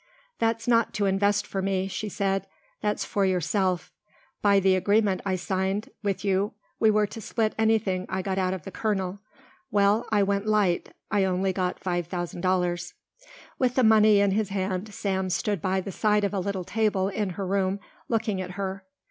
"That's not to invest for me," she said, "that's for yourself. By the agreement I signed with you we were to split anything I got out of the colonel. Well, I went light. I only got five thousand dollars." With the money in his hand Sam stood by the side of a little table in her room looking at her.